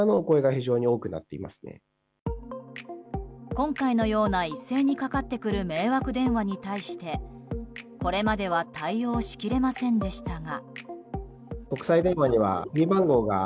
今回のような、一斉にかかってくる迷惑電話に対してこれまでは対応しきれませんでしたが。